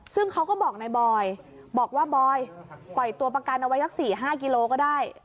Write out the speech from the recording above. ซึ่งเขาก็บอกนายบอยบอกว่าบอยปล่อยตัวประกันเอาไว้สัก๔๕กิโลก็ได้